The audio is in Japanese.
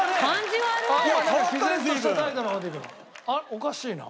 おかしいな。